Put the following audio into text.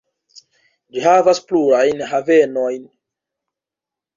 Ĝi havas plurajn havenojn.